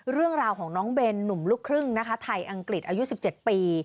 เรื่องราวของน้องเบนหนุ่มลูกครึ่งนะคะไทยอังกฤษอายุ๑๗ปี